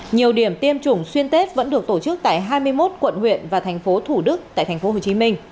nhiều điểm tiêm chủng xuyên tết vẫn được tổ chức tại hai mươi một quận huyện và thành phố thủ đức tại tp hcm